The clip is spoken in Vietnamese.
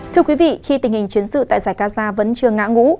thưa quý vị khi tình hình chiến sự tại giải gaza vẫn chưa ngã ngũ